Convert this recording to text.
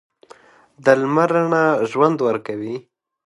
د لمر رڼا ژوند ورکوي.